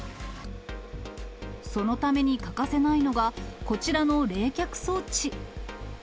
そのために欠かせないのが、こちらの冷却装置。